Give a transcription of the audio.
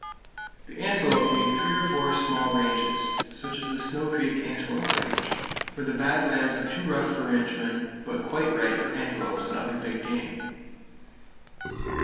The antelope need three or four small ranges, such as the Snow Creek Antelope Range, where the bad lands are too rough for ranchmen, but quite right for antelopes and other big game.